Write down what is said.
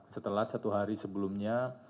setelah satu hari sebelumnya